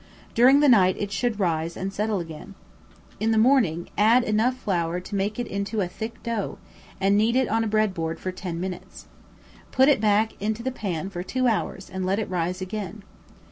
During the night it should rise and settle again. In the morning add enough flour to make it in into a thick dough, and knead it on a bread board for ten minutes. Put it back into pan for two hours and let it rise again.